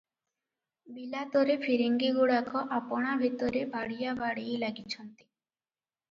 ବିଲାତରେ ଫିରିଙ୍ଗୀଗୁଡାକ ଆପଣା ଭିତରେ ବାଡ଼ିଆବାଡ଼େଇ ଲାଗିଛନ୍ତି ।